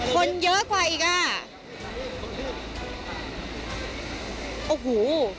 คนเยอะกว่าอีกอ่ะ